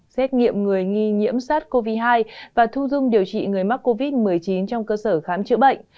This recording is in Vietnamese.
xét nghiệm người nghi nhiễm sars cov hai và thu dung điều trị người mắc covid một mươi chín trong cơ sở khám chữa bệnh